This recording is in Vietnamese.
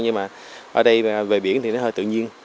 nhưng mà ở đây về biển thì nó hơi tự nhiên